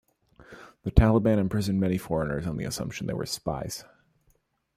The Taliban imprisoned many foreigners on the assumption they were spies.